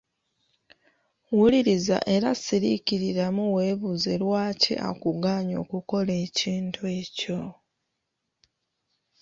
Wuliriza era siriikiriramu weebuuze lwaki akugaanyi okukola ekintu ekyo.